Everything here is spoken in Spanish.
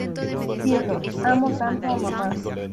Cielos, ¡amo tanto a mamá!